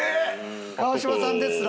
川島さんですら？